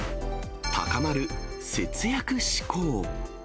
高まる節約志向。